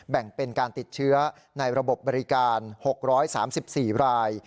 แบ่งเป็นการติดเชื้อในระบบบบริการ๖๓๔ราย